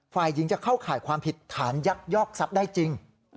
ฝ่ายหญิงจะเข้าข่ายความผิดฐานยักยอกทรัพย์ได้จริง